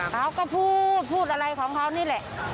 เขาก็พูดพูดอะไรของเขานี่แหละ